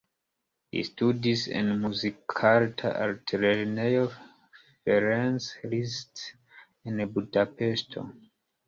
Li studis en Muzikarta Altlernejo Ferenc Liszt en Budapeŝto.